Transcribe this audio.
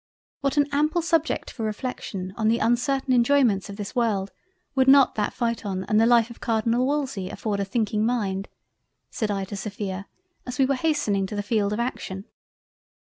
"What an ample subject for reflection on the uncertain Enjoyments of this World, would not that Phaeton and the Life of Cardinal Wolsey afford a thinking Mind!" said I to Sophia as we were hastening to the field of Action.